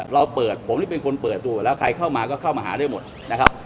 เราเปิดผมนี่เป็นคนเปิดดูแล้วใครเข้ามาก็เข้ามาหาได้หมดนะครับ